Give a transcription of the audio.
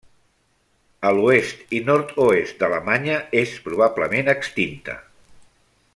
A l'oest i nord-oest d'Alemanya és probablement extinta.